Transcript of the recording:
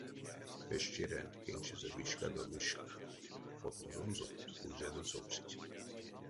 Пещеранть кенкшезэ вишкадо вишка — потмозонзо пульзядо совсить.